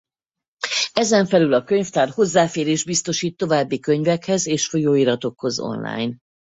Ezen felül a könyvtár hozzáférést biztosít további könyvekhez és folyóiratokhoz online.